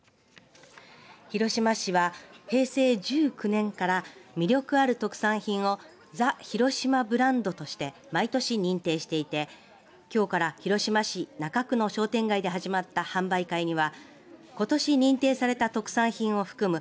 広島市は平成１９年から魅力ある特産品をザ・広島ブランドとして毎年認定していてきょうから広島市中区の商店街で始まった販売会にはことし認定された特産品を含む